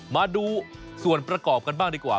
มาดูส่วนประกอบกันบ้างดีกว่า